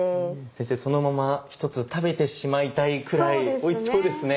先生そのまま１つ食べてしまいたいくらいおいしそうですね。